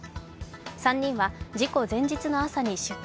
３人は事故前日の朝に出勤。